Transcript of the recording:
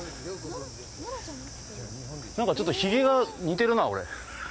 なんかちょっとひげが似てるな、俺。